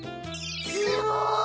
すごい！